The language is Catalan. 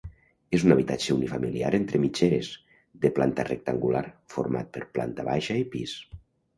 És un habitatge unifamiliar entre mitgeres, de planta rectangular, format per planta baixa i pis.